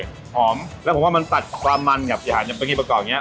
อร่อยแล้วผมว่ามันตัดความมันกับอย่างภารกิจประกอบนี้